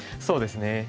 そうですね。